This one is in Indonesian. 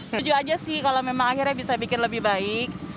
setuju aja sih kalau memang akhirnya bisa bikin lebih baik